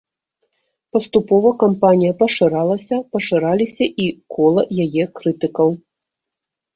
Паступова кампанія пашыралася, пашыраліся і кола яе крытыкаў.